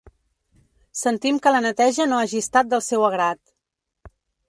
Sentim que la neteja no hagi estat del seu agrat.